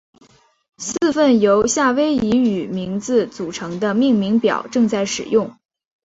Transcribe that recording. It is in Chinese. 四份由夏威夷语名字组成的命名表正在使用。